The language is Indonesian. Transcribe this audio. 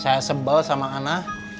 saya sebel sama ana